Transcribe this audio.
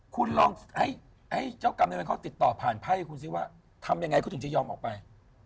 คุณลองให้เจ้ากรรมในเวรเขาติดต่อผ่านไพ่คุณซิว่าทำยังไงเขาถึงจะยอมออกไป